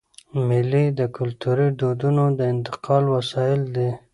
مېلې د کلتوري دودونو د انتقال وسایل دي.